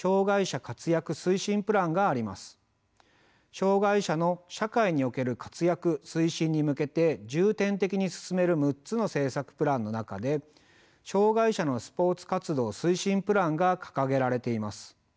障害者の社会における活躍推進に向けて重点的に進める６つの政策プランの中で障害者のスポーツ活動推進プランが掲げられています。